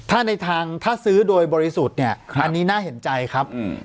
ถ้าในทางถ้าซื้อโดยบริสุทธิ์เนี่ยอันนี้น่าเห็นใจครับ